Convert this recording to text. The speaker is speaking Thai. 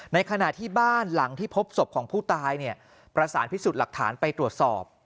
ในขณะที่บ้านหลังที่พบศพของผู้ตายเนี่ยประสานพิสูจน์หลักฐานไปตรวจสอบ